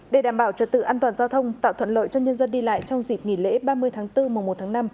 để đảm bảo trật tự an toàn giao thông tạo thuận lợi cho nhân dân đi lại trong dịp nghỉ lễ ba mươi tháng bốn mùa một tháng năm